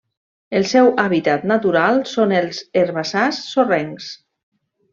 El seu hàbitat natural són els herbassars sorrencs.